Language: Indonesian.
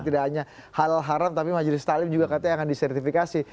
tidak hanya hal haram tapi majelis talim juga katanya akan disertifikasi